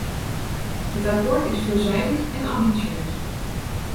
Het akkoord is veelzijdig en ambitieus.